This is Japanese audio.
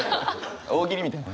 大喜利みたいな。